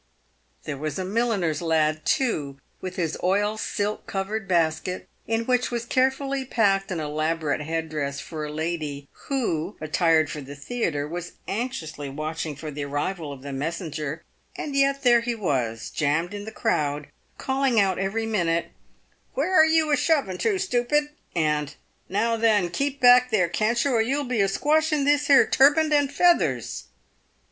There was a milliner's lad, too, with his oil silk covered basket, in which was carefully packed an elaborate head dress for a lady, who, attired for the theatre, was anxiously watching for the arrival of the messenger, and yet there he was, jammed in the crowd, calling out every minute, " "Where are you a shoving to, stoopid," and " Now then, keep back, there, can't you, or you'll be a squashing this here turband and feathers."